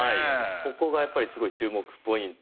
ここがやっぱりすごい注目ポイントでして。